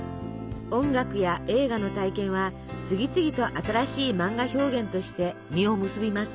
音楽や映画の体験は次々と新しい漫画表現として実を結びます。